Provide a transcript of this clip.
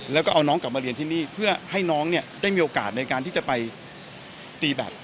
แล้วก็เอาน้องกลับมาเรียนที่นี่เพื่อให้น้องเนี่ยได้มีโอกาสในการที่จะไปตีแบบ